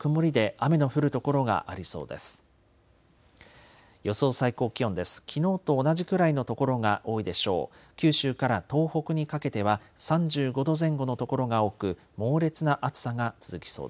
きのうと同じくらいの所が多いでしょう。